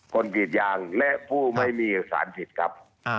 กรีดยางและผู้ไม่มีสารผิดครับ